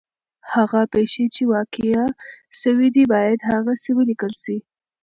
هغه پېښې چي واقع سوي دي باید هغسي ولیکل سي.